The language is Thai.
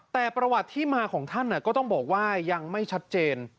แต่ประวัติที่มาของท่านก็ต้องบอกว่ายังไม่ชัดเจน